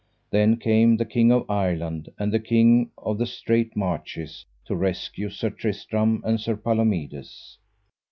Then came the King of Ireland and the King of the Straight Marches to rescue Sir Tristram and Sir Palomides.